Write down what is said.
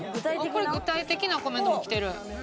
これ具体的なコメントもきてる。